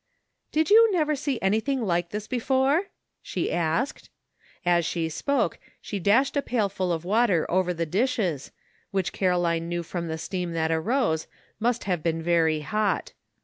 "Did you never see anything like this be fore 1 " she asked. As she spoke she dashed a pailful of water over the dishes, which Caroline knew from the steam that arose must have been very hot.